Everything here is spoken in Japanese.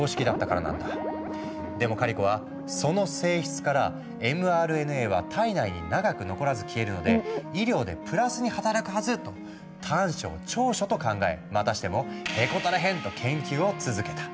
でもカリコは「その性質からｍＲＮＡは体内に長く残らず消えるので医療でプラスに働くはず！」と短所を長所と考えまたしても「へこたれへん！」と研究を続けた。